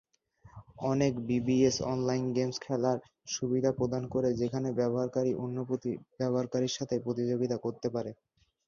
অনেক BBS online games খেলার সুবিধা প্রদান করে যেখানে ব্যবহারকারী অন্য ব্যবহারকারীর সাথে প্রতিযোগিতা করতে পারে।